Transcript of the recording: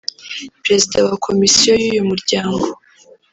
Perezida wa Komisiyo y’uyu Muryango